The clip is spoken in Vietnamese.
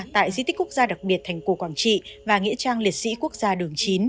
tại di tích quốc gia đặc biệt thành cổ quảng trị và nghĩa trang liệt sĩ quốc gia đường chín